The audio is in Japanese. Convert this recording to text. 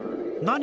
「何？